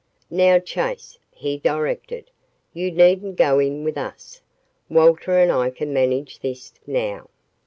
"Now, Chase," he directed, "you needn't go in with us. Walter and I can manage this, now.